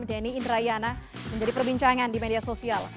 denny indrayana menjadi perbincangan di media sosial